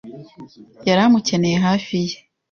yari amukeneye hafi ye.